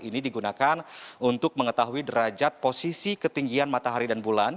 ini digunakan untuk mengetahui derajat posisi ketinggian matahari dan bulan